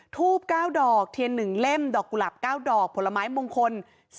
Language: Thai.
ทูบ๙ดอกเทียน๑เล่มดอกกุหลับ๙ดอกผลไม้มงคล